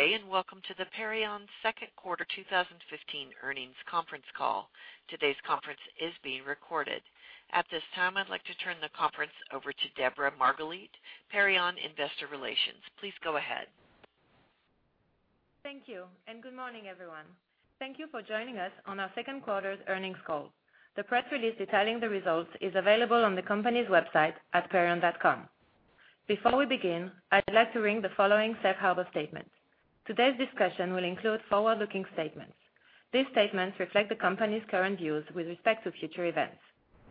Good day, welcome to the Perion second quarter 2015 earnings conference call. Today's conference is being recorded. At this time, I'd like to turn the conference over to Deborah Margalit, Perion Investor Relations. Please go ahead. Thank you, good morning, everyone. Thank you for joining us on our second quarter's earnings call. The press release detailing the results is available on the company's website at perion.com. Before we begin, I'd like to read the following safe harbor statement. Today's discussion will include forward-looking statements. These statements reflect the company's current views with respect to future events.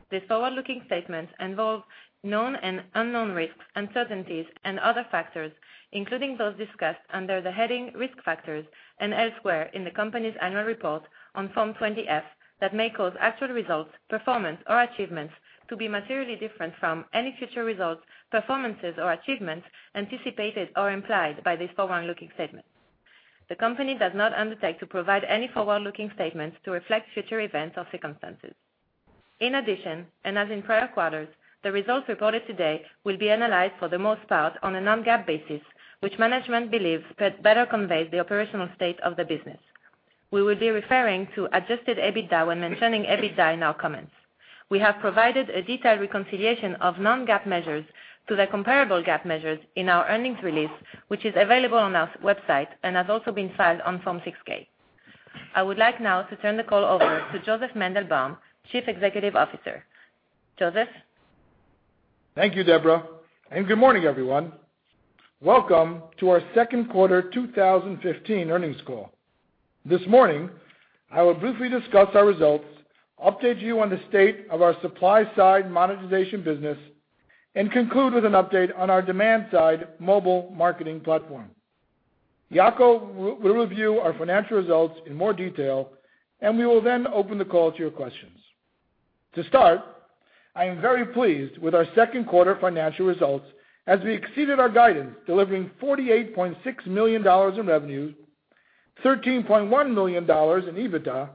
These forward-looking statements involve known and unknown risks, uncertainties, and other factors, including those discussed under the heading "Risk Factors" and elsewhere in the company's annual report on Form 20-F that may cause actual results, performance, or achievements to be materially different from any future results, performances, or achievements anticipated or implied by these forward-looking statements. The company does not undertake to provide any forward-looking statements to reflect future events or circumstances. In addition, as in prior quarters, the results reported today will be analyzed for the most part on a non-GAAP basis, which management believes better conveys the operational state of the business. We will be referring to adjusted EBITDA when mentioning EBITDA in our comments. We have provided a detailed reconciliation of non-GAAP measures to the comparable GAAP measures in our earnings release, which is available on our website and has also been filed on Form 6-K. I would like now to turn the call over to Josef Mandelbaum, Chief Executive Officer. Josef? Thank you, Deborah, good morning, everyone. Welcome to our second quarter 2015 earnings call. This morning, I will briefly discuss our results, update you on the state of our supply-side monetization business, and conclude with an update on our demand-side mobile marketing platform. Yacov will review our financial results in more detail, and we will then open the call to your questions. To start, I am very pleased with our second quarter financial results as we exceeded our guidance, delivering $48.6 million in revenue, $13.1 million in EBITDA,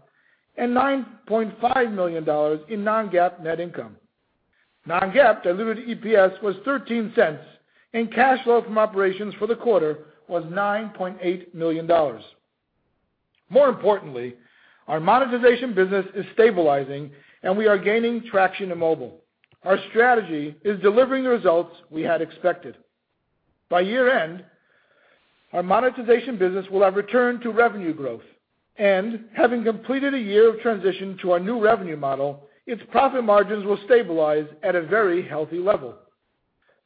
and $9.5 million in non-GAAP net income. Non-GAAP diluted EPS was $0.13, and cash flow from operations for the quarter was $9.8 million. More importantly, our monetization business is stabilizing, and we are gaining traction in mobile. Our strategy is delivering the results we had expected. By year-end, our monetization business will have returned to revenue growth, and having completed a year of transition to our new revenue model, its profit margins will stabilize at a very healthy level.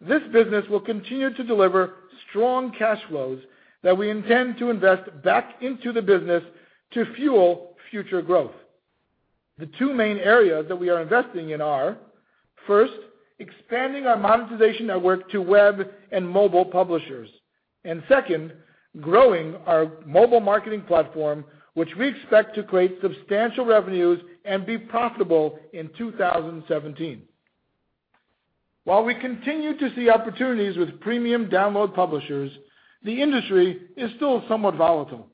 This business will continue to deliver strong cash flows that we intend to invest back into the business to fuel future growth. The two main areas that we are investing in are, first, expanding our monetization network to web and mobile publishers. Second, growing our mobile marketing platform, which we expect to create substantial revenues and be profitable in 2017. While we continue to see opportunities with premium download publishers, the industry is still somewhat volatile.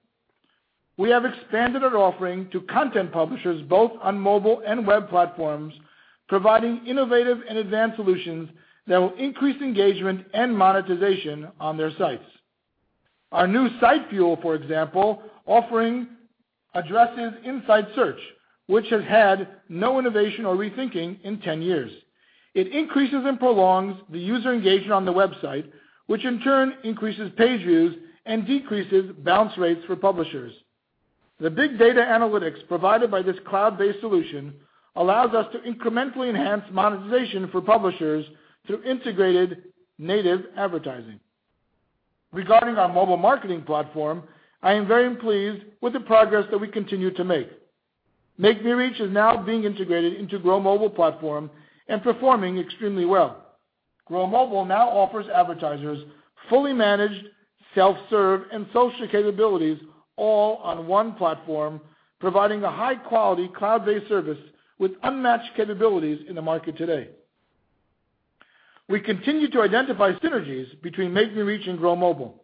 We have expanded our offering to content publishers both on mobile and web platforms, providing innovative and advanced solutions that will increase engagement and monetization on their sites. Our new SiteFuel, for example, offering addresses inside search, which has had no innovation or rethinking in 10 years. It increases and prolongs the user engagement on the website, which in turn increases page views and decreases bounce rates for publishers. The big data analytics provided by this cloud-based solution allows us to incrementally enhance monetization for publishers through integrated native advertising. Regarding our mobile marketing platform, I am very pleased with the progress that we continue to make. MakeMeReach is now being integrated into Grow Mobile platform and performing extremely well. Grow Mobile now offers advertisers fully managed self-serve and social capabilities all on one platform, providing a high-quality cloud-based service with unmatched capabilities in the market today. We continue to identify synergies between MakeMeReach and Grow Mobile.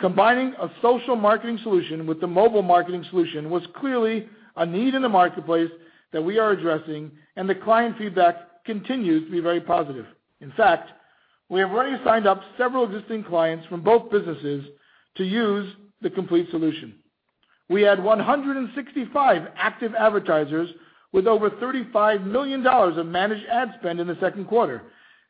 Combining a social marketing solution with the mobile marketing solution was clearly a need in the marketplace that we are addressing. The client feedback continues to be very positive. In fact, we have already signed up several existing clients from both businesses to use the complete solution. We had 165 active advertisers with over $35 million of managed ad spend in the second quarter.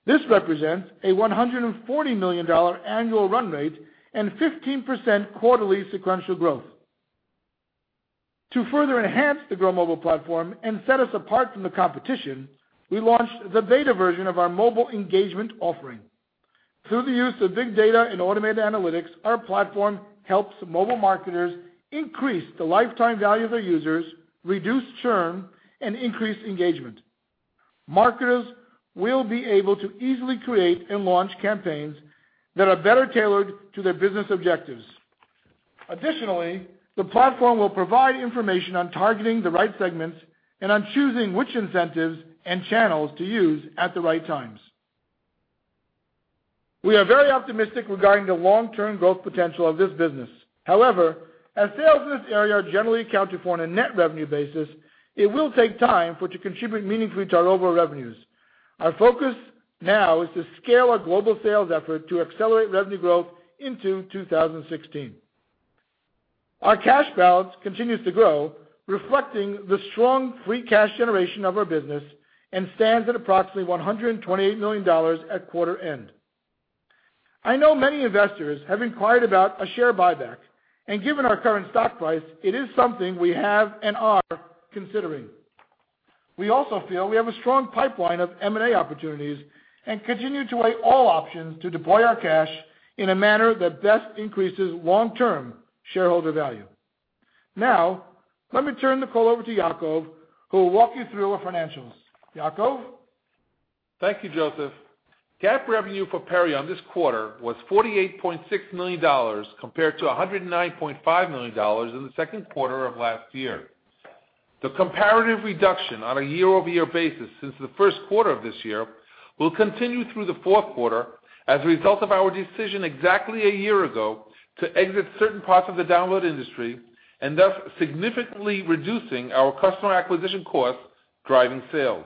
This represents a $140 million annual run rate and 15% quarterly sequential growth. To further enhance the Grow Mobile platform and set us apart from the competition, we launched the beta version of our mobile engagement offering. Through the use of big data and automated analytics, our platform helps mobile marketers increase the lifetime value of their users, reduce churn, and increase engagement. Marketers will be able to easily create and launch campaigns that are better tailored to their business objectives. Additionally, the platform will provide information on targeting the right segments and on choosing which incentives and channels to use at the right times. We are very optimistic regarding the long-term growth potential of this business. However, as sales in this area are generally accounted for on a net revenue basis, it will take time for it to contribute meaningfully to our overall revenues. Our focus now is to scale our global sales effort to accelerate revenue growth into 2016. Our cash balance continues to grow, reflecting the strong free cash generation of our business and stands at approximately $128 million at quarter end. I know many investors have inquired about a share buyback. Given our current stock price, it is something we have and are considering. We also feel we have a strong pipeline of M&A opportunities and continue to weigh all options to deploy our cash in a manner that best increases long-term shareholder value. Let me turn the call over to Yacov, who will walk you through our financials. Yacov? Thank you, Josef. GAAP revenue for Perion this quarter was $48.6 million, compared to $109.5 million in the second quarter of last year. The comparative reduction on a year-over-year basis since the first quarter of this year will continue through the fourth quarter as a result of our decision exactly a year ago to exit certain parts of the download industry, thus significantly reducing our customer acquisition cost driving sales.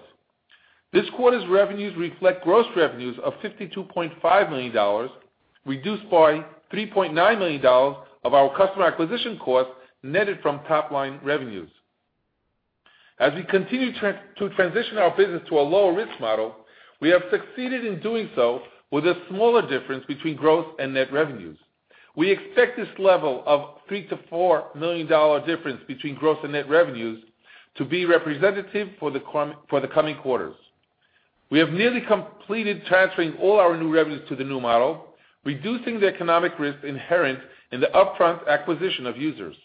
This quarter's revenues reflect gross revenues of $52.5 million, reduced by $3.9 million of our customer acquisition costs netted from top-line revenues. As we continue to transition our business to a lower-risk model, we have succeeded in doing so with a smaller difference between gross and net revenues. We expect this level of $3 million to $4 million difference between gross and net revenues to be representative for the coming quarters. We have nearly completed transferring all our new revenues to the new model, reducing the economic risk inherent in the upfront acquisition of users.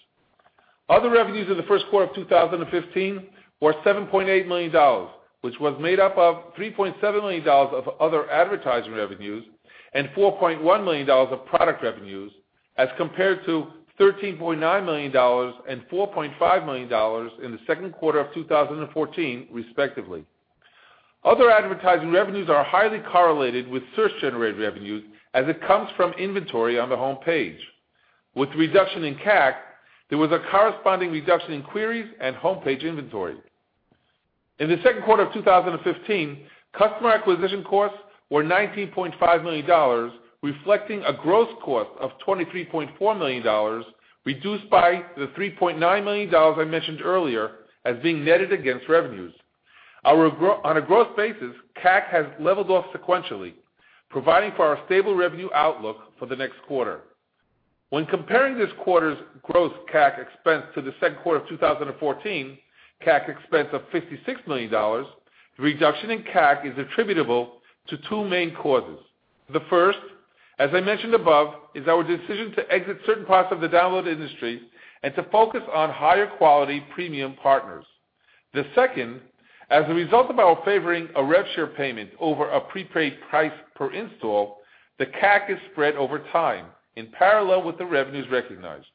Other revenues in the first quarter of 2015 were $7.8 million, which was made up of $3.7 million of other advertising revenues and $4.1 million of product revenues, as compared to $13.9 million and $4.5 million in the second quarter of 2014, respectively. Other advertising revenues are highly correlated with search-generated revenues as it comes from inventory on the home page. With the reduction in CAC, there was a corresponding reduction in queries and home page inventory. In the second quarter of 2015, customer acquisition costs were $19.5 million, reflecting a gross cost of $23.4 million, reduced by the $3.9 million I mentioned earlier as being netted against revenues. On a gross basis, CAC has leveled off sequentially, providing for our stable revenue outlook for the next quarter. When comparing this quarter's gross CAC expense to the second quarter of 2014, CAC expense of $56 million, the reduction in CAC is attributable to two main causes. The first, as I mentioned above, is our decision to exit certain parts of the download industry and to focus on higher quality premium partners. The second, as a result of our favoring a rev share payment over a prepaid price per install, the CAC is spread over time in parallel with the revenues recognized.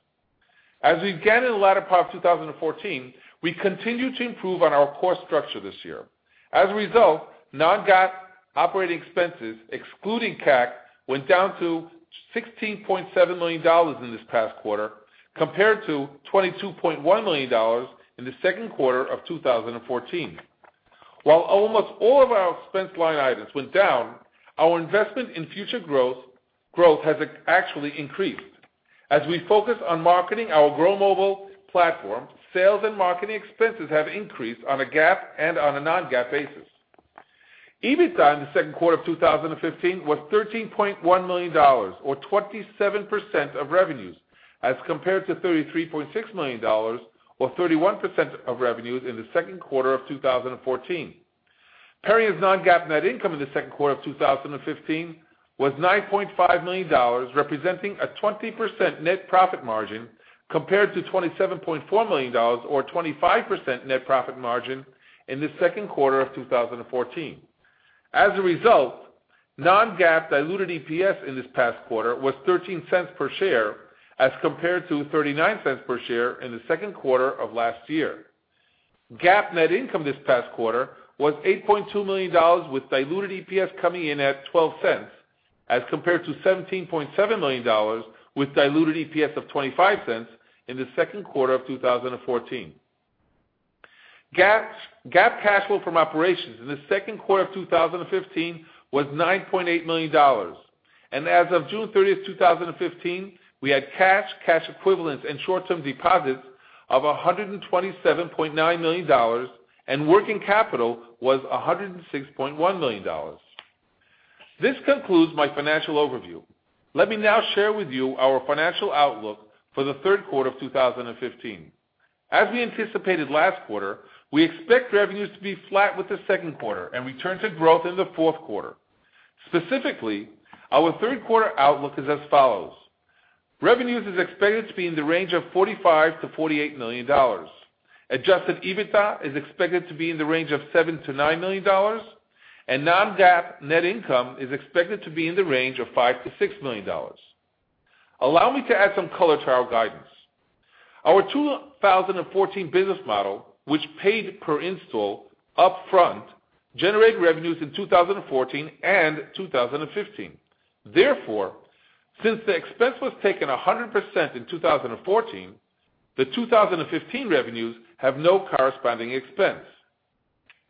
As we began in the latter part of 2014, we continue to improve on our cost structure this year. As a result, non-GAAP operating expenses, excluding CAC, went down to $16.7 million in this past quarter compared to $22.1 million in the second quarter of 2014. While almost all of our expense line items went down, our investment in future growth has actually increased. As we focus on marketing our Grow Mobile platform, sales and marketing expenses have increased on a GAAP and on a non-GAAP basis. EBITDA in the second quarter of 2015 was $13.1 million or 27% of revenues as compared to $33.6 million or 31% of revenues in the second quarter of 2014. Perion Network's non-GAAP net income in the second quarter of 2015 was $9.5 million, representing a 20% net profit margin compared to $27.4 million or 25% net profit margin in the second quarter of 2014. As a result, non-GAAP diluted EPS in this past quarter was $0.13 per share as compared to $0.39 per share in the second quarter of last year. GAAP net income this past quarter was $8.2 million with diluted EPS coming in at $0.12 as compared to $17.7 million with diluted EPS of $0.25 in the second quarter of 2014. GAAP cash flow from operations in the second quarter of 2015 was $9.8 million, and as of June 30th, 2015, we had cash equivalents, and short-term deposits of $127.9 million and working capital was $106.1 million. This concludes my financial overview. Let me now share with you our financial outlook for the third quarter of 2015. As we anticipated last quarter, we expect revenues to be flat with the second quarter and return to growth in the fourth quarter. Specifically, our third quarter outlook is as follows: revenues is expected to be in the range of $45 million-$48 million. Adjusted EBITDA is expected to be in the range of $7 million-$9 million, and non-GAAP net income is expected to be in the range of $5 million-$6 million. Allow me to add some color to our guidance. Our 2014 business model, which paid per install upfront, generated revenues in 2014 and 2015. Therefore, since the expense was taken 100% in 2014 The 2015 revenues have no corresponding expense.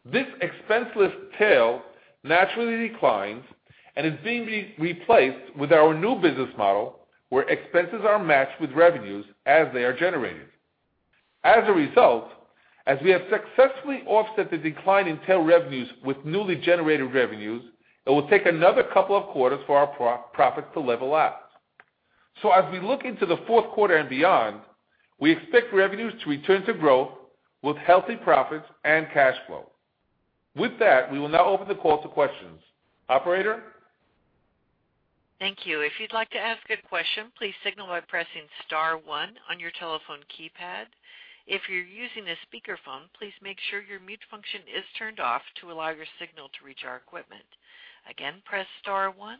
This expenseless tail naturally declines and is being replaced with our new business model, where expenses are matched with revenues as they are generated. As a result, as we have successfully offset the decline in tail revenues with newly generated revenues, it will take another couple of quarters for our profit to level out. So as we look into the fourth quarter and beyond, we expect revenues to return to growth with healthy profits and cash flow. With that, we will now open the call to questions. Operator? Thank you. If you'd like to ask a question, please signal by pressing star one on your telephone keypad. If you're using a speakerphone, please make sure your mute function is turned off to allow your signal to reach our equipment. Again, press star one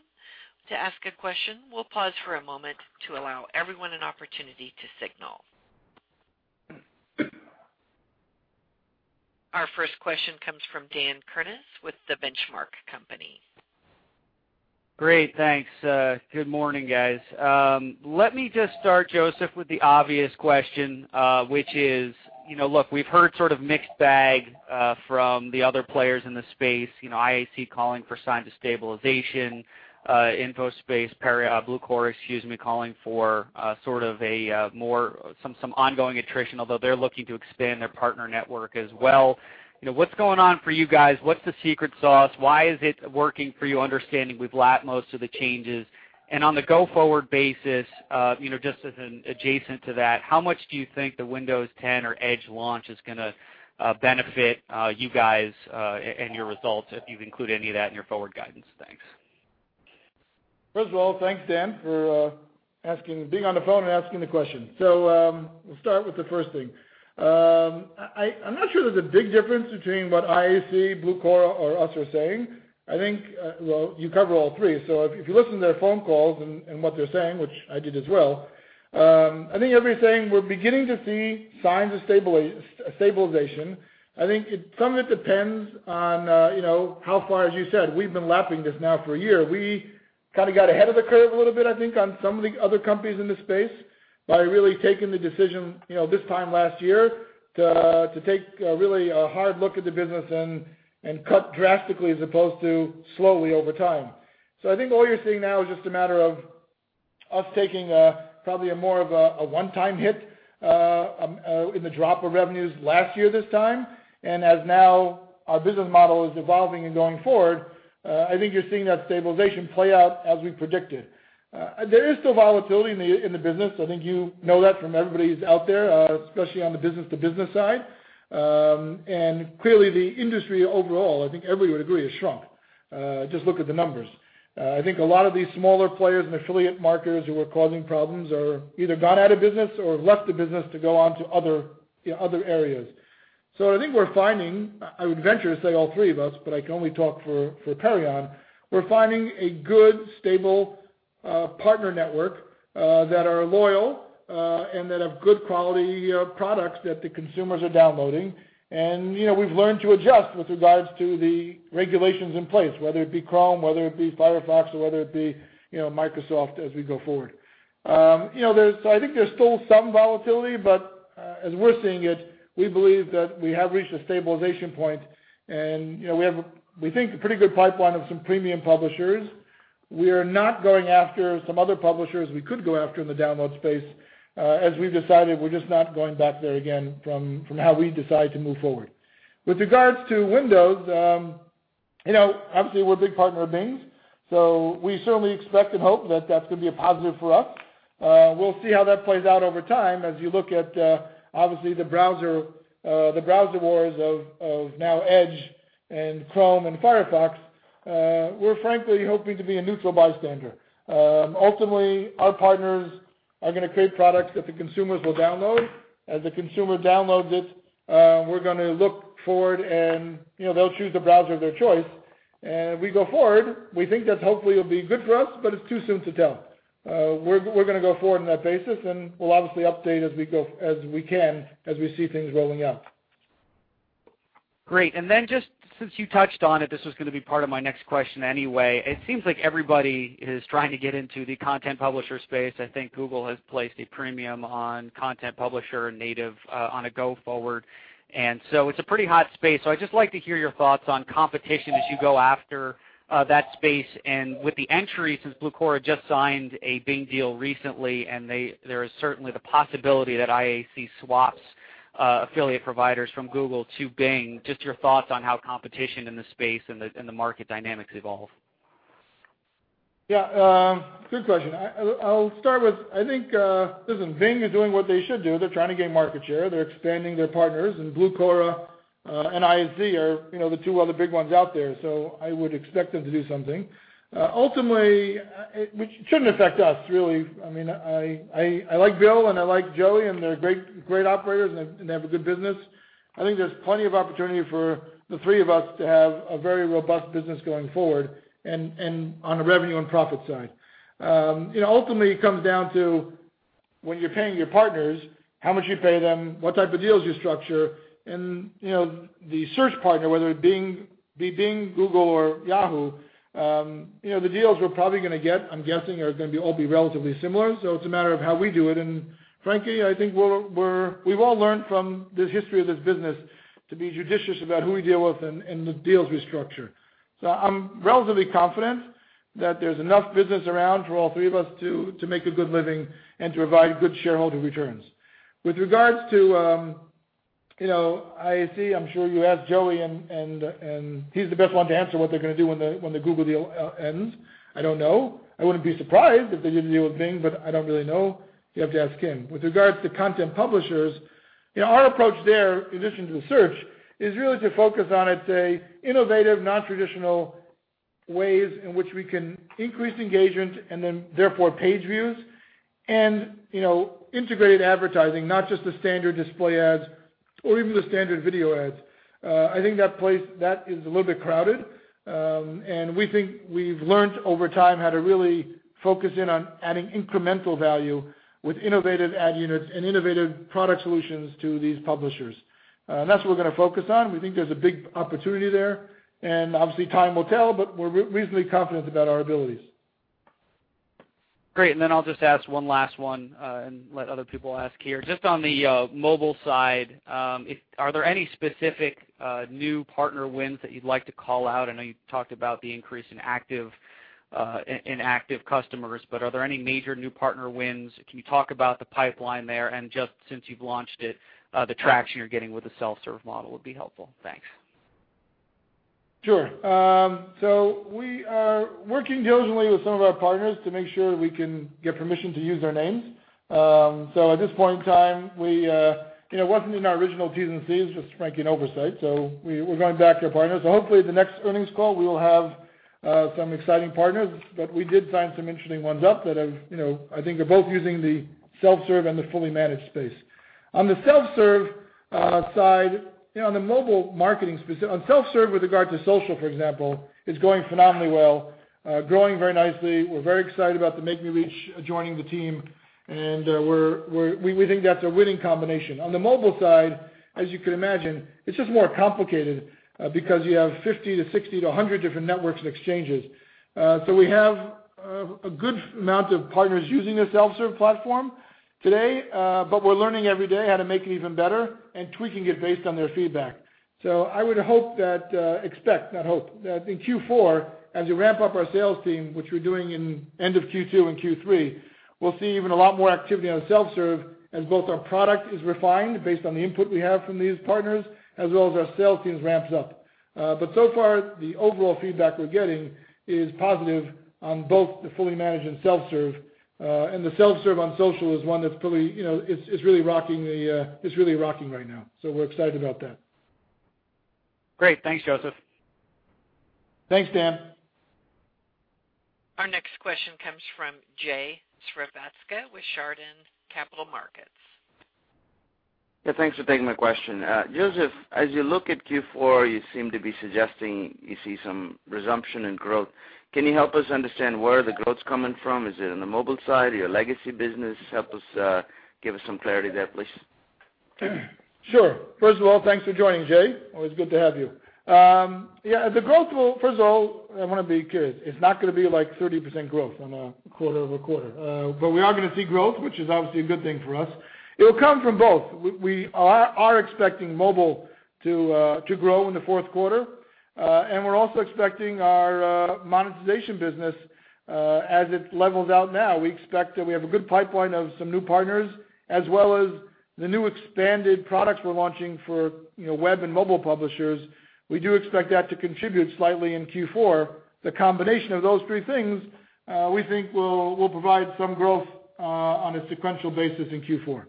to ask a question. We'll pause for a moment to allow everyone an opportunity to signal. Our first question comes from Daniel Kurnos with The Benchmark Company. Great, thanks. Good morning, guys. Let me just start, Josef, with the obvious question, which is, look, we've heard sort of mixed bag from the other players in the space, IAC calling for signs of stabilization, InfoSpace, Blucora, excuse me, calling for sort of some ongoing attrition, although they're looking to expand their partner network as well. What's going on for you guys? What's the secret sauce? Why is it working for you, understanding we've lapped most of the changes? On the go-forward basis, just as an adjacent to that, how much do you think the Windows 10 or Edge launch is going to benefit you guys, and your results if you include any of that in your forward guidance? Thanks. First of all, thanks, Dan, for being on the phone and asking the question. We'll start with the first thing. I'm not sure there's a big difference between what IAC, Blucora, or us are saying. I think, well, you cover all three. If you listen to their phone calls and what they're saying, which I did as well, I think everything we're beginning to see signs of stabilization. I think some of it depends on how far, as you said, we've been lapping this now for a year. We kind of got ahead of the curve a little bit, I think, on some of the other companies in this space by really taking the decision this time last year to take really a hard look at the business and cut drastically, as opposed to slowly over time. I think all you're seeing now is just a matter of us taking probably a more of a one-time hit in the drop of revenues last year this time. As now our business model is evolving and going forward, I think you're seeing that stabilization play out as we predicted. There is still volatility in the business. I think you know that from everybody who's out there, especially on the business to business side. Clearly the industry overall, I think everyone would agree, has shrunk. Just look at the numbers. I think a lot of these smaller players and affiliate marketers who were causing problems have either gone out of business or left the business to go on to other areas. I think we're finding, I would venture to say all three of us, but I can only talk for Perion Network, we're finding a good, stable partner network that are loyal, and that have good quality products that the consumers are downloading. We've learned to adjust with regards to the regulations in place, whether it be Chrome, whether it be Firefox, or whether it be Microsoft as we go forward. There's still some volatility, but as we're seeing it, we believe that we have reached a stabilization point, and we have, we think, a pretty good pipeline of some premium publishers. We are not going after some other publishers we could go after in the download space, as we've decided we're just not going back there again from how we decide to move forward. With regards to Windows, obviously we're a big partner of Bing, we certainly expect and hope that that's going to be a positive for us. We'll see how that plays out over time. As you look at, obviously, the browser wars of now Edge and Chrome and Firefox, we're frankly hoping to be a neutral bystander. Ultimately, our partners are going to create products that the consumers will download. As the consumer downloads it, we're going to look forward and they'll choose the browser of their choice. We go forward, we think that hopefully will be good for us, but it's too soon to tell. We're going to go forward on that basis, and we'll obviously update as we can, as we see things rolling out. Great. Then just since you touched on it, this was going to be part of my next question anyway. It seems like everybody is trying to get into the content publisher space. Google has placed a premium on content publisher native on a go forward. It's a pretty hot space. I'd just like to hear your thoughts on competition as you go after that space. With the entry, since Blucora just signed a Bing deal recently, there is certainly the possibility that IAC swaps affiliate providers from Google to Bing. Just your thoughts on how competition in the space and the market dynamics evolve. Yeah. Good question. I'll start with, I think Bing is doing what they should do. They're trying to gain market share. They're expanding their partners, and Blucora and IAC are the two other big ones out there. I would expect them to do something. Ultimately, it shouldn't affect us, really. I like Bill, I like Joey, they're great operators, and they have a good business. There's plenty of opportunity for the three of us to have a very robust business going forward and on a revenue and profit side. Ultimately, it comes down to when you're paying your partners, how much you pay them, what type of deals you structure, and the search partner, whether it be Bing, Google, or Yahoo. The deals we're probably going to get, I'm guessing, are going to all be relatively similar. It's a matter of how we do it, frankly, I think we've all learned from the history of this business to be judicious about who we deal with and the deals we structure. I'm relatively confident that there's enough business around for all three of us to make a good living and to provide good shareholder returns. With regards to IAC, I'm sure you asked Joey, he's the best one to answer what they're going to do when the Google deal ends. I don't know. I wouldn't be surprised if they did a deal with Bing, I don't really know. You'd have to ask him. With regards to content publishers, our approach there, in addition to the search, is really to focus on innovative, non-traditional ways in which we can increase engagement and therefore page views and integrated advertising, not just the standard display ads or even the standard video ads. I think that place is a little bit crowded. We think we've learned over time how to really focus in on adding incremental value with innovative ad units and innovative product solutions to these publishers. That's what we're going to focus on. We think there's a big opportunity there, obviously, time will tell, but we're reasonably confident about our abilities. Great. I'll just ask one last one and let other people ask here. On the mobile side, are there any specific new partner wins that you'd like to call out? I know you talked about the increase in active customers, are there any major new partner wins? Can you talk about the pipeline there since you've launched it, the traction you're getting with the self-serve model would be helpful. Thanks. Sure. We are working diligently with some of our partners to make sure we can get permission to use their names. At this point in time, it wasn't in our original T's and C's, just frankly, an oversight. We're going back to our partners. Hopefully, the next earnings call, we will have some exciting partners. We did sign some interesting ones up that I think are both using the self-serve and the fully managed space. On the self-serve side, on self-serve with regard to social, for example, is going phenomenally well, growing very nicely. We're very excited about the MakeMeReach joining the team, we think that's a winning combination. On the mobile side, as you can imagine, it's just more complicated because you have 50 to 60 to 100 different networks and exchanges. We have a good amount of partners using the self-serve platform today, but we're learning every day how to make it even better and tweaking it based on their feedback. I would expect, not hope, that in Q4, as we ramp up our sales team, which we're doing in end of Q2 and Q3, we'll see even a lot more activity on the self-serve as both our product is refined based on the input we have from these partners, as well as our sales team ramps up. So far, the overall feedback we're getting is positive on both the fully managed and self-serve. The self-serve on social is one that's really rocking right now. We're excited about that. Great. Thanks, Josef. Thanks, Dan. Our next question comes from Jayant Srivatsa with Chardan Capital Markets. Thanks for taking my question. Josef, as you look at Q4, you seem to be suggesting you see some resumption in growth. Can you help us understand where the growth's coming from? Is it in the mobile side, your legacy business? Help give us some clarity there, please. Sure. First of all, thanks for joining, Jay. Always good to have you. The growth will, first of all, I want to be clear, it's not going to be like 30% growth on a quarter-over-quarter. We are going to see growth, which is obviously a good thing for us. It'll come from both. We are expecting mobile to grow in the fourth quarter. We're also expecting our monetization business, as it levels out now, we expect that we have a good pipeline of some new partners, as well as the new expanded products we're launching for web and mobile publishers. We do expect that to contribute slightly in Q4. The combination of those three things, we think will provide some growth on a sequential basis in Q4.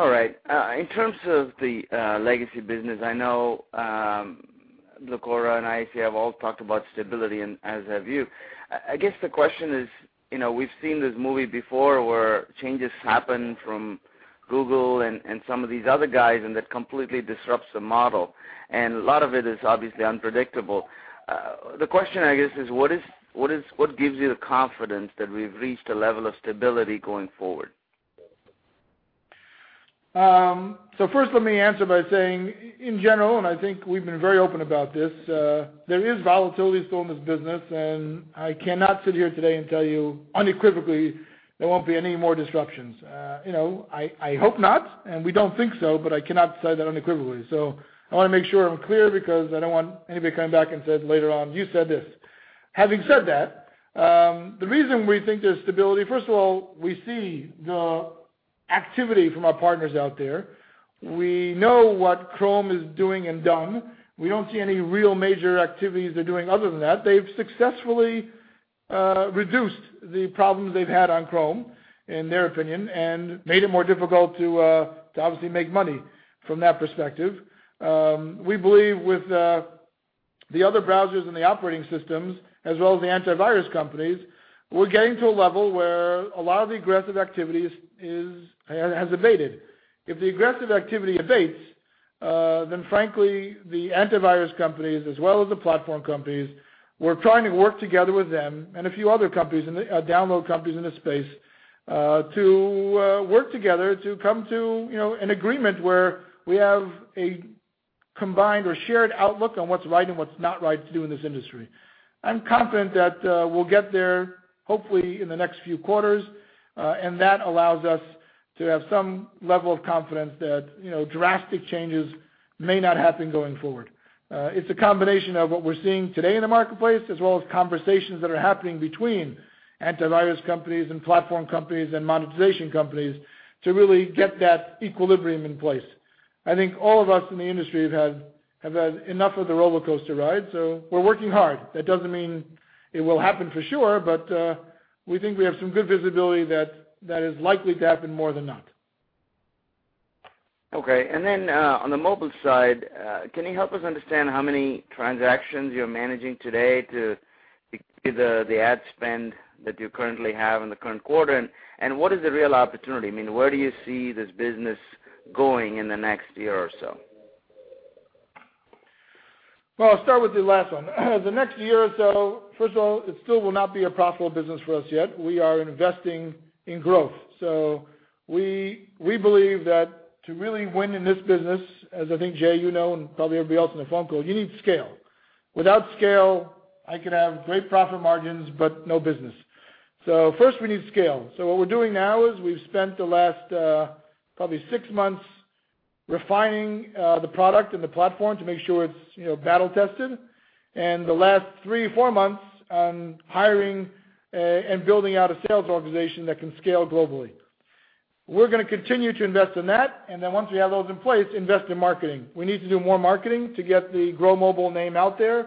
All right. In terms of the legacy business, I know Blucora and IAC have all talked about stability and as have you. I guess the question is, we've seen this movie before where changes happen from Google and some of these other guys, and that completely disrupts the model. A lot of it is obviously unpredictable. The question, I guess is, what gives you the confidence that we've reached a level of stability going forward? First, let me answer by saying, in general, and I think we've been very open about this, there is volatility still in this business, and I cannot sit here today and tell you unequivocally there won't be any more disruptions. I hope not, and we don't think so, but I cannot say that unequivocally. I want to make sure I'm clear because I don't want anybody coming back and saying later on, "You said this." Having said that, the reason we think there's stability, first of all, we see the activity from our partners out there. We know what Chrome is doing and done. We don't see any real major activities they're doing other than that. They've successfully reduced the problems they've had on Chrome, in their opinion, and made it more difficult to obviously make money from that perspective. We believe with the other browsers and the operating systems, as well as the antivirus companies, we're getting to a level where a lot of the aggressive activities has abated. If the aggressive activity abates, frankly, the antivirus companies, as well as the platform companies, we're trying to work together with them and a few other download companies in the space to work together to come to an agreement where we have a combined or shared outlook on what's right and what's not right to do in this industry. I'm confident that we'll get there, hopefully in the next few quarters, and that allows us to have some level of confidence that drastic changes may not happen going forward. It's a combination of what we're seeing today in the marketplace, as well as conversations that are happening between antivirus companies and platform companies and monetization companies to really get that equilibrium in place. I think all of us in the industry have had enough of the rollercoaster ride, we're working hard. That doesn't mean it will happen for sure, we think we have some good visibility that that is likely to happen more than not. Okay. On the mobile side, can you help us understand how many transactions you're managing today to the ad spend that you currently have in the current quarter? What is the real opportunity? Where do you see this business going in the next year or so? Well, I'll start with the last one. The next year or so, first of all, it still will not be a profitable business for us yet. We are investing in growth. We believe that to really win in this business, as I think, Jay, you know and probably everybody else in the phone call, you need scale. Without scale, I could have great profit margins no business. First we need scale. What we're doing now is we've spent the last probably six months refining the product and the platform to make sure it's battle tested. The last three or four months on hiring and building out a sales organization that can scale globally. We're going to continue to invest in that, once we have those in place, invest in marketing. We need to do more marketing to get the Grow Mobile name out there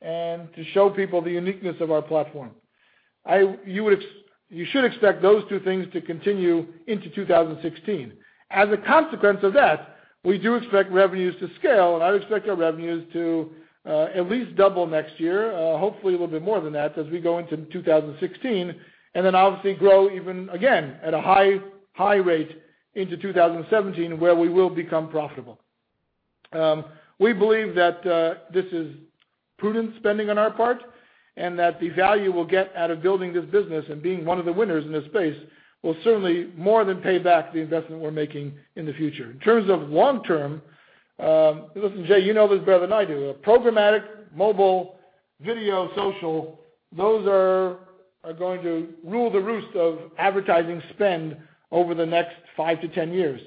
and to show people the uniqueness of our platform. You should expect those two things to continue into 2016. As a consequence of that, we do expect revenues to scale, I'd expect our revenues to at least double next year, hopefully a little bit more than that as we go into 2016. Obviously grow even again at a high rate into 2017, where we will become profitable. We believe that this is prudent spending on our part, and that the value we'll get out of building this business and being one of the winners in this space will certainly more than pay back the investment we're making in the future. In terms of long-term, listen, Jay, you know this better than I do. Programmatic mobile video social, those are going to rule the roost of advertising spend over the next five to 10 years.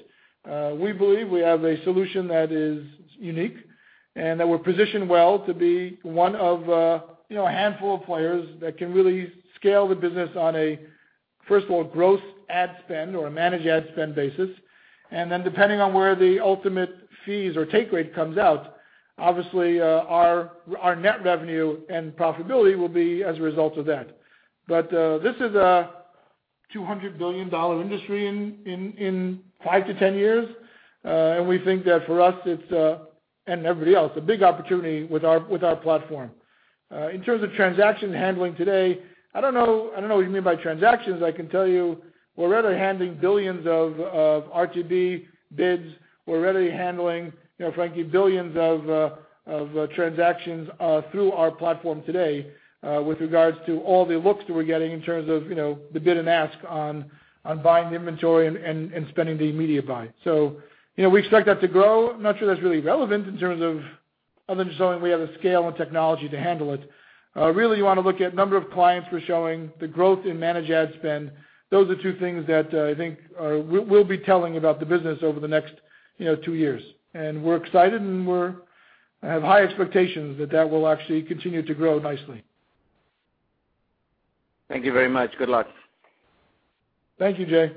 We believe we have a solution that is unique and that we're positioned well to be one of a handful of players that can really scale the business on a, first of all, gross ad spend or a managed ad spend basis. Depending on where the ultimate fees or take rate comes out, obviously, our net revenue and profitability will be as a result of that. This is a $200 billion industry in five to 10 years. We think that for us and everybody else, a big opportunity with our platform. In terms of transaction handling today, I don't know what you mean by transactions. I can tell you we're already handling billions of RTB bids. We're already handling, frankly, billions of transactions through our platform today with regards to all the looks that we're getting in terms of the bid and ask on buying the inventory and spending the media buy. We expect that to grow. I'm not sure that's really relevant in terms of understanding we have the scale and technology to handle it. Really, you want to look at number of clients we're showing, the growth in managed ad spend. Those are two things that I think we'll be telling about the business over the next two years. We're excited, I have high expectations that that will actually continue to grow nicely. Thank you very much. Good luck. Thank you, Jay.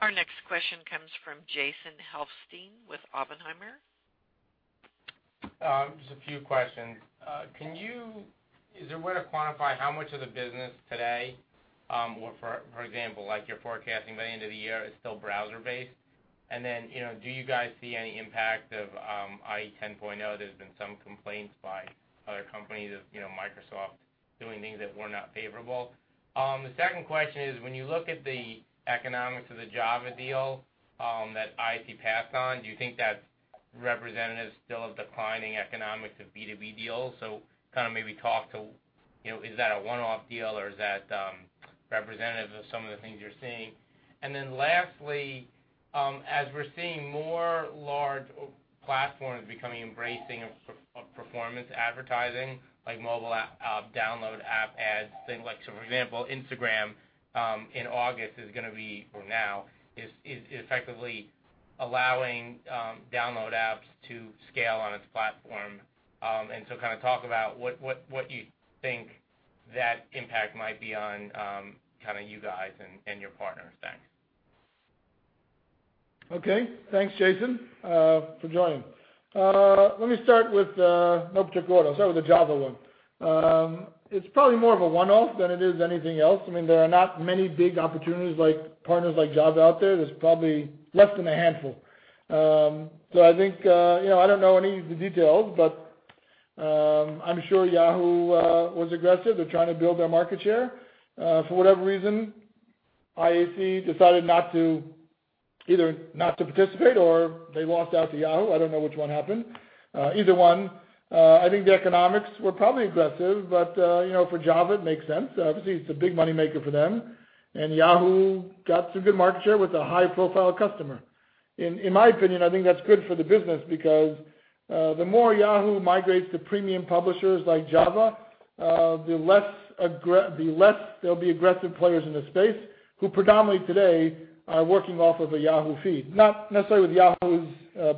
Our next question comes from Jason Helfstein with Oppenheimer. Just a few questions. Is there a way to quantify how much of the business today, for example, like you're forecasting by the end of the year, is still browser-based? Do you guys see any impact of IE 10.0? There's been some complaints by other companies of Microsoft doing things that were not favorable. The second question is, when you look at the economics of the Java deal that IAC passed on, do you think that's representative still of declining economics of B2B deals? Maybe talk to, is that a one-off deal or is that representative of some of the things you're seeing? Lastly, as we're seeing more large platforms becoming embracing of performance advertising, like mobile download app ads, things like, for example, Instagram, in August is going to be, or now, is effectively allowing download apps to scale on its platform. Talk about what you think that impact might be on you guys and your partners. Thanks. Okay. Thanks, Jason, for joining. Let me start with no particular order. I'll start with the Java one. It's probably more of a one-off than it is anything else. There are not many big opportunities like partners like Java out there. There's probably less than a handful. I don't know any of the details, but I'm sure Yahoo was aggressive. They're trying to build their market share. For whatever reason, IAC decided either not to participate, or they lost out to Yahoo. I don't know which one happened. Either one. I think the economics were probably aggressive, but for Java, it makes sense. Obviously, it's a big moneymaker for them. Yahoo got some good market share with a high-profile customer. In my opinion, I think that's good for the business because the more Yahoo migrates to premium publishers like Java, the less there'll be aggressive players in the space who predominantly today are working off of a Yahoo feed, not necessarily with Yahoo's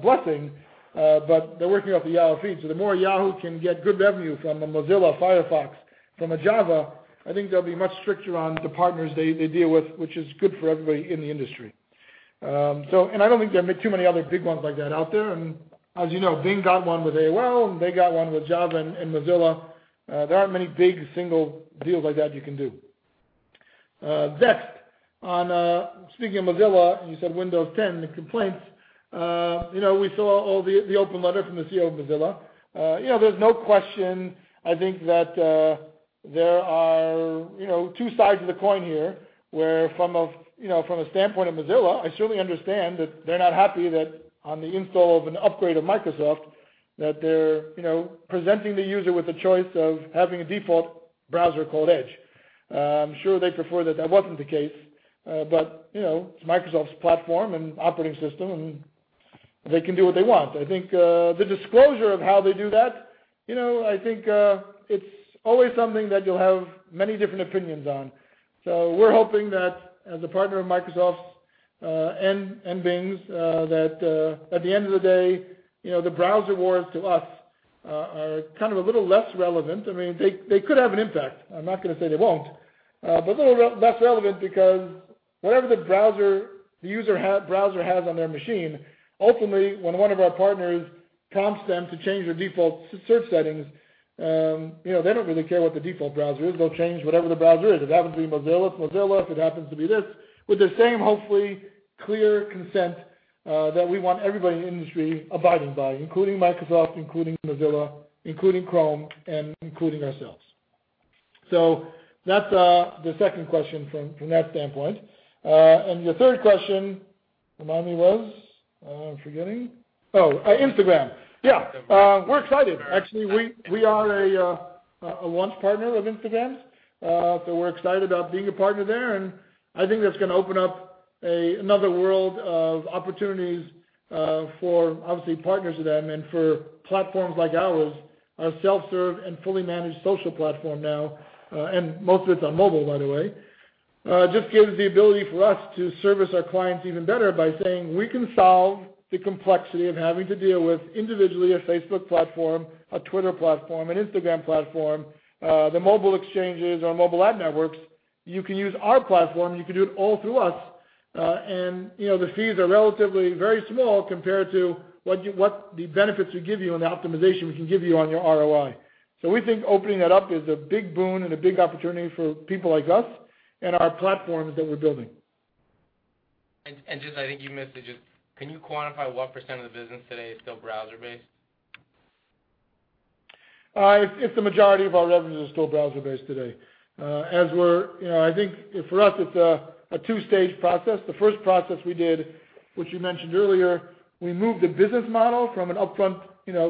blessing, but they're working off the Yahoo feed. The more Yahoo can get good revenue from a Mozilla Firefox, from a Java, I think they'll be much stricter on the partners they deal with, which is good for everybody in the industry. I don't think there are too many other big ones like that out there. As you know, Bing got one with AOL, and they got one with Java and Mozilla. There aren't many big single deals like that you can do. Next, speaking of Mozilla, you said Windows 10, the complaints, we saw the open letter from the CEO of Mozilla. There's no question, I think that there are two sides of the coin here, where from a standpoint of Mozilla, I certainly understand that they're not happy that on the install of an upgrade of Microsoft, that they're presenting the user with the choice of having a default browser called Edge. I'm sure they prefer that that wasn't the case. It's Microsoft's platform and operating system, and they can do what they want. I think the disclosure of how they do that, I think it's always something that you'll have many different opinions on. We're hoping that as a partner of Microsoft's, and Bing's, that at the end of the day, the browser wars to us are kind of a little less relevant. They could have an impact. I'm not going to say they won't. A little less relevant because whatever the user browser has on their machine, ultimately, when one of our partners prompts them to change their default search settings, they don't really care what the default browser is. They'll change whatever the browser is. If it happens to be Mozilla, it's Mozilla. If it happens to be this, with the same, hopefully, clear consent that we want everybody in the industry abiding by, including Microsoft, including Mozilla, including Chrome, including ourselves. That's the second question from that standpoint. Your third question, remind me, was? I'm forgetting. Oh, Instagram. Yeah. We're excited actually. We are a launch partner of Instagram. We're excited about being a partner there. I think that's going to open up another world of opportunities for obviously partners of them and for platforms like ours, a self-serve and fully managed social platform now, and most of it's on mobile, by the way. Just gives the ability for us to service our clients even better by saying we can solve the complexity of having to deal with individually, a Facebook platform, a Twitter platform, an Instagram platform, the mobile exchanges or mobile ad networks. You can use our platform, you can do it all through us. The fees are relatively very small compared to what the benefits we give you and the optimization we can give you on your ROI. We think opening that up is a big boon and a big opportunity for people like us and our platforms that we're building. Just I think you missed it just, can you quantify what % of the business today is still browser-based? It's the majority of our revenues are still browser-based today. I think, for us, it's a 2-stage process. The first process we did, which you mentioned earlier, we moved the business model from an upfront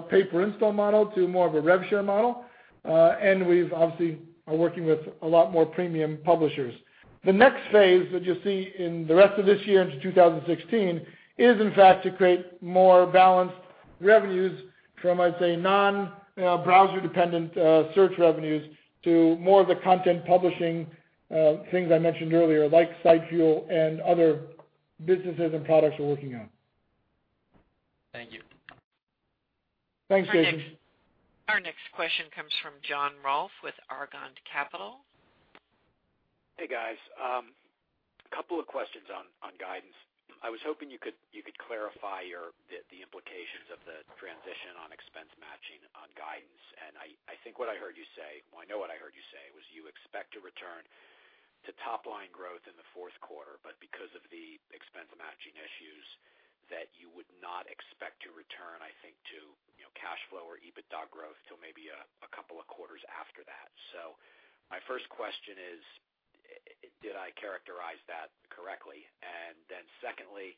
pay-per-install model to more of a rev share model. We've obviously are working with a lot more premium publishers. The next phase that you'll see in the rest of this year into 2016 is in fact to create more balanced revenues from, I'd say, non-browser dependent search revenues to more of the content publishing things I mentioned earlier, like SiteFuel and other businesses and products we're working on. Thank you. Thanks, Jason. Our next question comes from John Rolfe with Argon Capital. Hey, guys. Couple of questions on guidance. I was hoping you could clarify the implications of the transition on expense matching on guidance. I think what I heard you say, well, I know what I heard you say, was you expect to return to top-line growth in the fourth quarter, but because of the expense matching issues that you would not expect to return, I think, to cash flow or EBITDA growth till maybe a couple of quarters after that. My first question is, did I characterize that correctly? Secondly,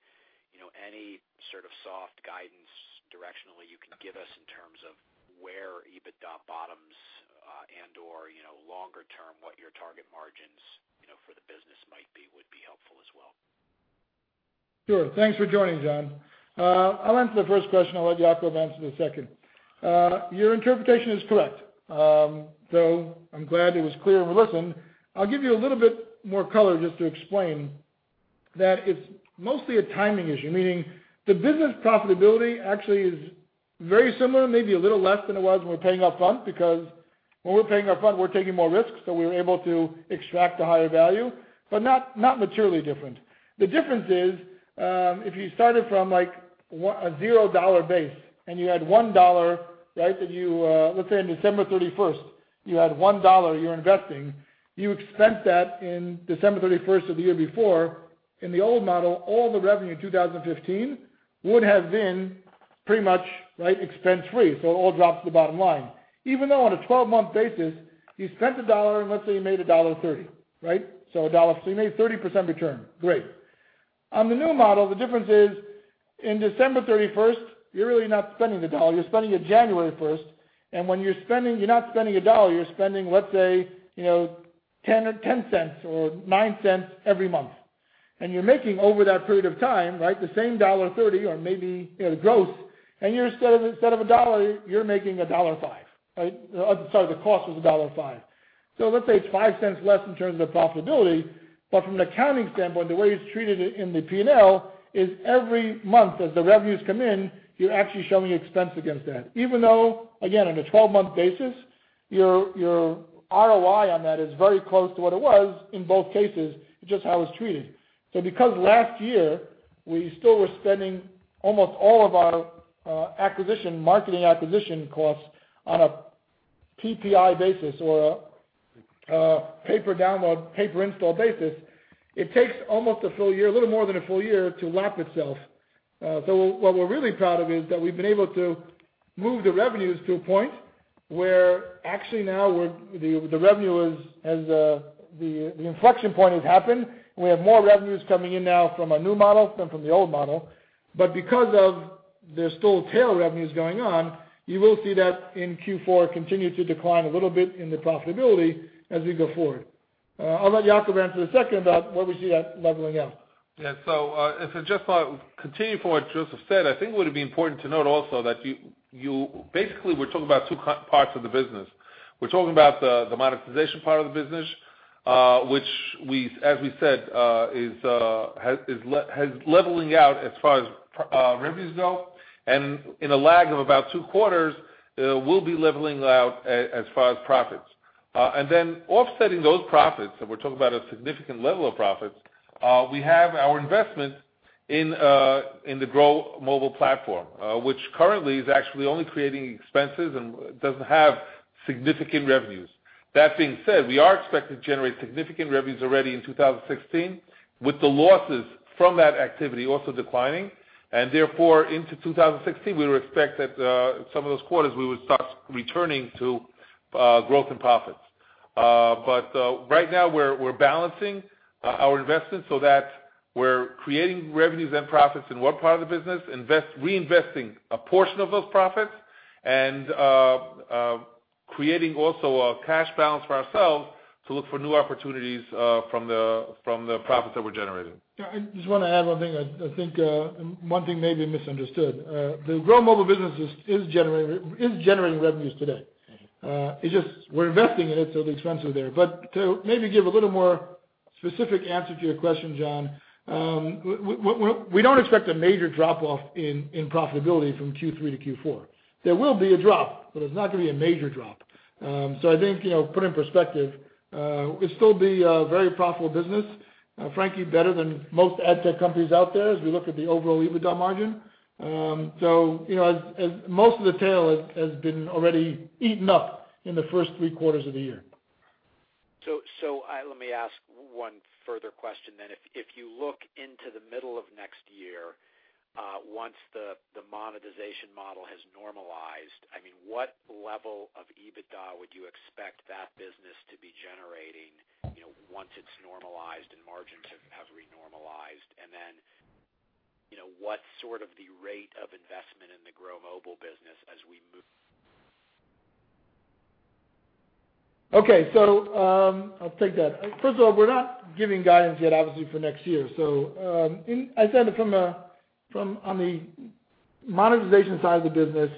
any sort of soft guidance directionally you can give us in terms of where EBITDA bottoms and/or longer term, what your target margins for the business might be, would be helpful as well. Sure. Thanks for joining, John. I'll answer the first question, I'll let Yacov answer the second. Your interpretation is correct, though I'm glad it was clear over the listen. I'll give you a little bit more color just to explain that it's mostly a timing issue, meaning the business profitability actually is very similar, maybe a little less than it was when we were paying up front, because when we're paying up front, we're taking more risks, so we were able to extract a higher value, but not materially different. The difference is, if you started from a $0 base, and you had $1, let's say on December 31st, you had $1 you're investing, you spent that in December 31st of the year before. In the old model, all the revenue in 2015 would have been pretty much expense-free. It all drops to the bottom line. Even though on a 12-month basis, you spent $1, let's say you made $1.30. You made 30% return. Great. On the new model, the difference is in December 31st, you're really not spending $1, you're spending it January 1st. When you're spending, you're not spending $1, you're spending, let's say, $0.10 or $0.09 every month. You're making over that period of time, the same $1.30 or maybe the gross. Instead of $1, you're making $1.05. Sorry, the cost was $1.05. Let's say it's $0.05 less in terms of profitability, but from an accounting standpoint, the way it's treated in the P&L is every month, as the revenues come in, you're actually showing expense against that. Even though, again, on a 12-month basis, your ROI on that is very close to what it was in both cases. It's just how it's treated. Because last year, we still were spending almost all of our marketing acquisition costs on a PPI basis or a pay per download, pay per install basis, it takes almost a full year, a little more than a full year, to lap itself. What we're really proud of is that we've been able to move the revenues to a point where actually now the inflection point has happened, and we have more revenues coming in now from our new model than from the old model. Because there's still tail revenues going on, you will see that in Q4 continue to decline a little bit in the profitability as we go forward. I'll let Yacov answer in a second about where we see that leveling out. Yeah. Just continuing from what Josef said, I think it would be important to note also that basically, we're talking about two parts of the business. We're talking about the monetization part of the business, which as we said, is leveling out as far as revenues go. In a lag of about two quarters, we'll be leveling out as far as profits. Offsetting those profits, and we're talking about a significant level of profits, we have our investment in the Grow Mobile platform, which currently is actually only creating expenses and doesn't have significant revenues. That being said, we are expected to generate significant revenues already in 2016, with the losses from that activity also declining. Therefore, into 2016, we would expect that some of those quarters we would start returning to growth and profits. Right now, we're balancing our investments so that we're creating revenues and profits in one part of the business, reinvesting a portion of those profits, and creating also a cash balance for ourselves to look for new opportunities from the profits that we're generating. Yeah, I just want to add one thing. I think one thing may be misunderstood. The Grow Mobile business is generating revenues today. It's just we're investing in it, so the expenses are there. To maybe give a little more specific answer to your question, John, we don't expect a major drop-off in profitability from Q3 to Q4. There will be a drop, but it's not going to be a major drop. I think put in perspective, it'll still be a very profitable business. Frankly, better than most ad tech companies out there as we look at the overall EBITDA margin. Most of the tail has been already eaten up in the first three quarters of the year. Let me ask one further question then. If you look into the middle of next year, once the monetization model has normalized, what level of EBITDA would you expect that business to be generating once it's normalized and margins have re-normalized? Then, what's sort of the rate of investment in the Grow Mobile business as we move? Okay. I'll take that. First of all, we're not giving guidance yet, obviously, for next year. I said on the monetization side of the business,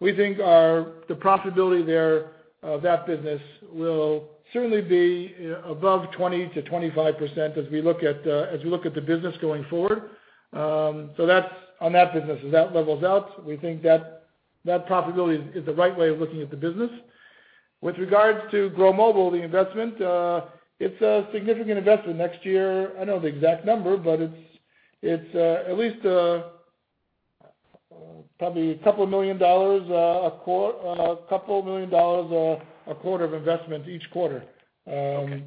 we think the profitability there of that business will certainly be above 20%-25% as we look at the business going forward. On that business, as that levels out, we think that profitability is the right way of looking at the business. With regards to Grow Mobile, the investment, it's a significant investment. Next year, I don't know the exact number, but it's at least probably a couple of million dollars a quarter of investment each quarter,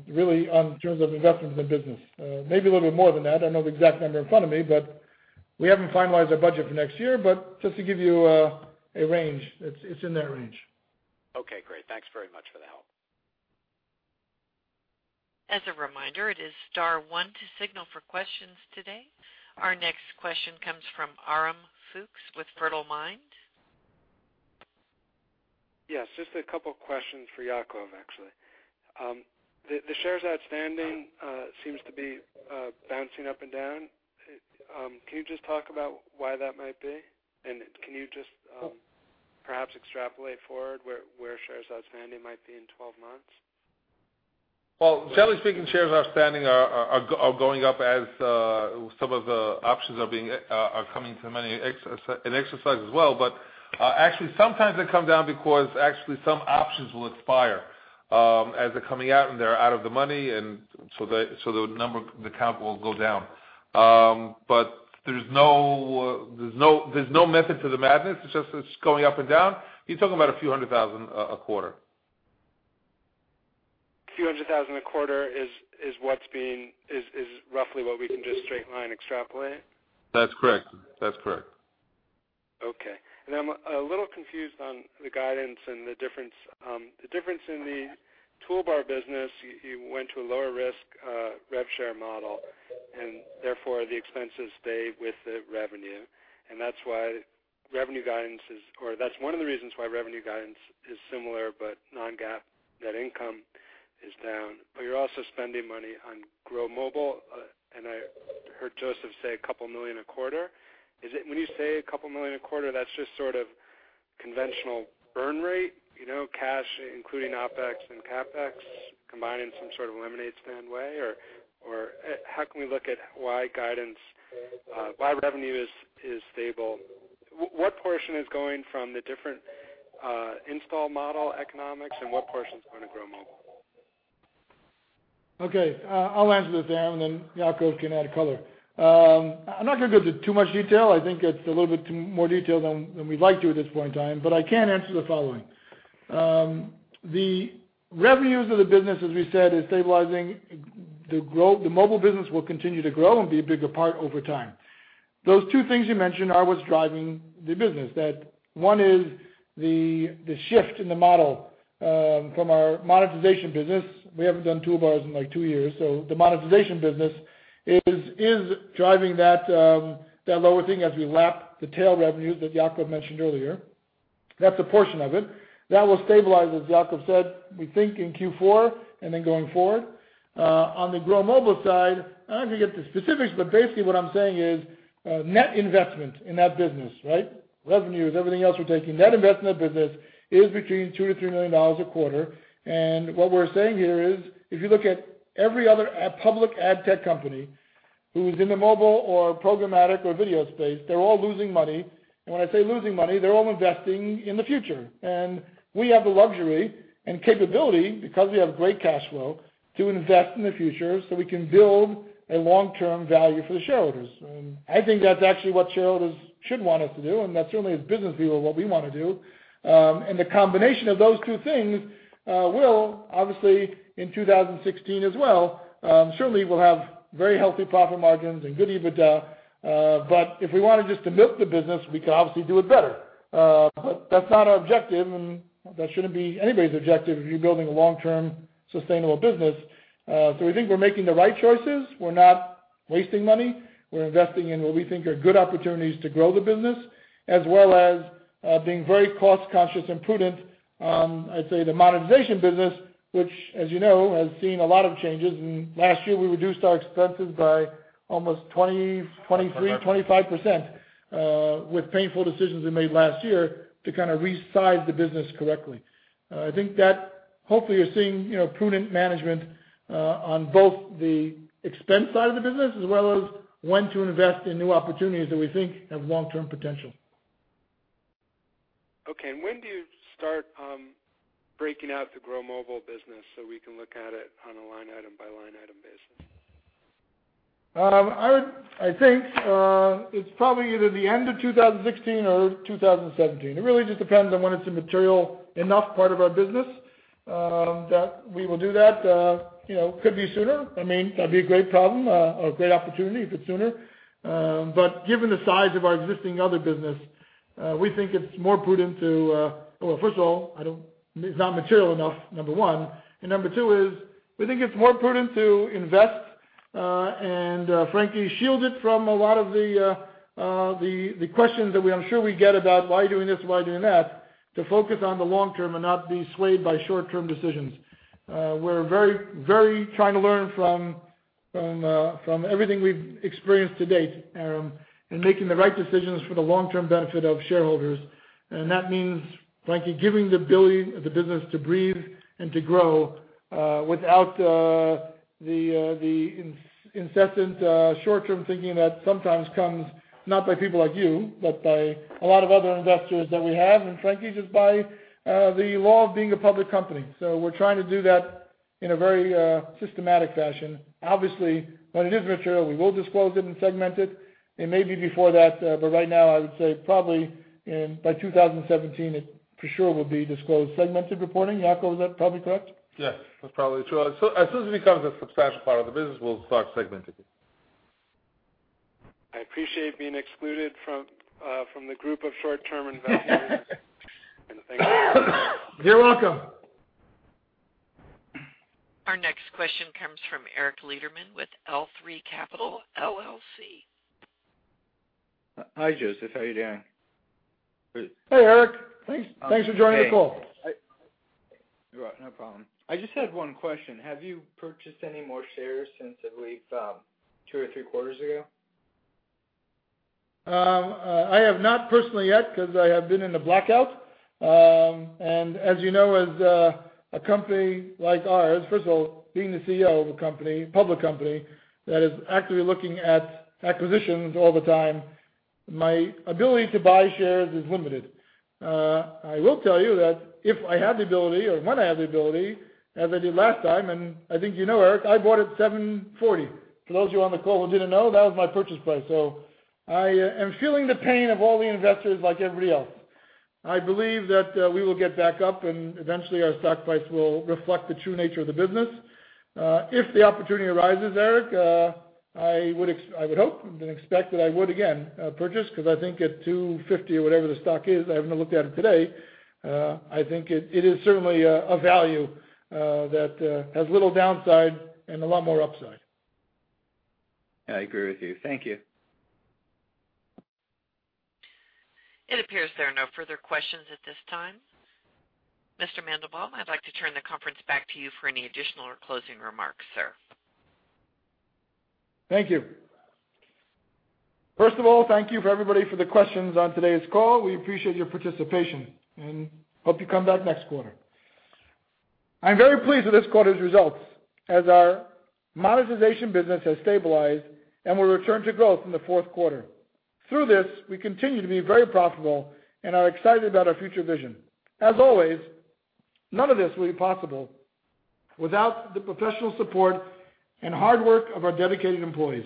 really in terms of investment in the business. Maybe a little bit more than that. I don't know the exact number in front of me, but we haven't finalized our budget for next year. Just to give you a range, it's in that range. Okay, great. Thanks very much for the help. As a reminder, it is star one to signal for questions today. Our next question comes from Aurum Fuchs with Fertilemind Capital. Yes, just a couple questions for Yacov, actually. The shares outstanding seems to be bouncing up and down. Can you just talk about why that might be? Can you just perhaps extrapolate forward where shares outstanding might be in 12 months? Well, generally speaking, shares outstanding are going up as some of the options are coming to an exercise as well. Actually, sometimes they come down because actually some options will expire as they're coming out, and they're out of the money, and so the count will go down. There's no method to the madness. It's just going up and down. You're talking about a few hundred thousand a quarter. A few $100,000 a quarter is roughly what we can just straight line extrapolate? That's correct. I'm a little confused on the guidance and the difference in the toolbar business. You went to a lower risk rev share model, and therefore, the expenses stay with the revenue. That's one of the reasons why revenue guidance is similar, but non-GAAP net income is down. You're also spending money on Grow Mobile, and I heard Josef say a couple million a quarter. When you say a couple million a quarter, that's just sort of conventional burn rate, cash, including OpEx and CapEx combined in some sort of lemonade stand way, or how can we look at why revenue is stable? What portion is going from the different install model economics and what portion is going to Grow Mobile? I'll answer this, Aurum, and then Yacov can add color. I'm not going to go into too much detail. I think it's a little bit more detailed than we'd like to at this point in time, but I can answer the following. The revenues of the business, as we said, is stabilizing. The mobile business will continue to grow and be a bigger part over time. Those two things you mentioned are what's driving the business. That one is the shift in the model from our monetization business. We haven't done toolbars in 2 years. The monetization business is driving that lower thing as we lap the tail revenues that Yacov mentioned earlier. That's a portion of it. That will stabilize, as Yacov said, we think in Q4 and then going forward. On the Grow Mobile side, I don't have to get into specifics, but basically what I'm saying is net investment in that business. Revenue is everything else we're taking. Net investment in the business is between $2 million-$3 million a quarter. What we're saying here is, if you look at every other public ad tech company who's in the mobile or programmatic or video space, they're all losing money. When I say losing money, they're all investing in the future. We have the luxury and capability, because we have great cash flow, to invest in the future so we can build a long-term value for the shareholders. I think that's actually what shareholders should want us to do, and that certainly as business people, what we want to do. The combination of those two things will, obviously, in 2016 as well, certainly we'll have very healthy profit margins and good EBITDA. If we wanted just to milk the business, we could obviously do it better. That's not our objective, and that shouldn't be anybody's objective if you're building a long-term sustainable business. We think we're making the right choices. We're not wasting money. We're investing in what we think are good opportunities to grow the business, as well as being very cost-conscious and prudent. I'd say the monetization business, which as you know, has seen a lot of changes. Last year, we reduced our expenses by almost 23%-25% with painful decisions we made last year to kind of resize the business correctly. I think that hopefully you're seeing prudent management on both the expense side of the business as well as when to invest in new opportunities that we think have long-term potential. Okay, when do you start breaking out the Grow Mobile business so we can look at it on a line item by line item basis? I think it's probably either the end of 2016 or 2017. It really just depends on when it's a material enough part of our business that we will do that. Could be sooner. That'd be a great problem, or a great opportunity if it's sooner. Given the size of our existing other business, we think it's more prudent to, first of all, it's not material enough, number one. Number two is we think it's more prudent to invest, and frankly, shield it from a lot of the questions that I'm sure we get about why doing this, why doing that, to focus on the long term and not be swayed by short-term decisions. We're very trying to learn from everything we've experienced to date, Aurum, in making the right decisions for the long-term benefit of shareholders. That means, frankly, giving the business the ability to breathe and to grow, without the incessant short-term thinking that sometimes comes, not by people like you, but by a lot of other investors that we have. Frankly, just by the law of being a public company. We're trying to do that in a very systematic fashion. Obviously, when it is material, we will disclose it and segment it. It may be before that, but right now, I would say probably by 2017, it for sure will be disclosed. Segmented reporting, Yacov, is that probably correct? Yes, that's probably true. As soon as it becomes a substantial part of the business, we'll start segmenting it. I appreciate being excluded from the group of short-term investors. Thank you. You're welcome. Our next question comes from Eric Lederman with L3 Capital LLC. Hi, Josef. How are you doing? Hey, Eric. Thanks for joining the call. You're welcome. No problem. I just had one question. Have you purchased any more shares since at least two or three quarters ago? I have not personally yet because I have been in a blackout. As you know, as a company like ours, first of all, being the CEO of a public company that is actively looking at acquisitions all the time, my ability to buy shares is limited. I will tell you that if I had the ability or when I have the ability, as I did last time, I think you know, Eric, I bought at $7.40. For those of you on the call who didn't know, that was my purchase price. I am feeling the pain of all the investors like everybody else. I believe that we will get back up and eventually our stock price will reflect the true nature of the business. If the opportunity arises, Eric, I would hope and expect that I would again purchase because I think at $2.50 or whatever the stock is, I haven't looked at it today, I think it is certainly a value that has little downside and a lot more upside. I agree with you. Thank you. It appears there are no further questions at this time. Mr. Mandelbaum, I'd like to turn the conference back to you for any additional or closing remarks, sir. Thank you. First of all, thank you for everybody for the questions on today's call. We appreciate your participation and hope you come back next quarter. I'm very pleased with this quarter's results as our monetization business has stabilized, and we return to growth in the fourth quarter. Through this, we continue to be very profitable and are excited about our future vision. As always, none of this would be possible without the professional support and hard work of our dedicated employees.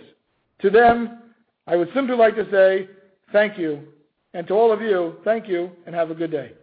To them, I would simply like to say thank you, and to all of you, thank you and have a good day.